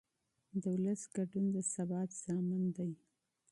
د ولس ګډون د ثبات ضامن دی